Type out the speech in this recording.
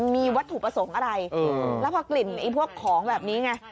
มีวัตถุประสงค์อะไรแล้วพอกลิ่นไอ้พวกของแบบนี้ไง